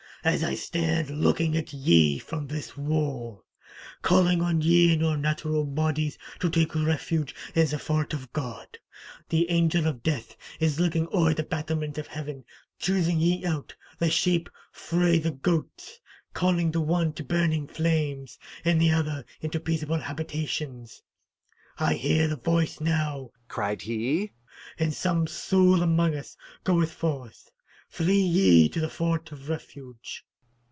'As I stand looking at ye from this wall, calling on ye in your natural bodies to take refuge in the Fort of God, the Angel of Death is looking ower the battlements of heaven, choosing ye out, the sheep frae the goats; calling the one to burning flames, and the other into peaceable habitations. I hear the voice now,' cried he, 'and some soul among us goeth forth. Flee ye to the Fort of Refuge.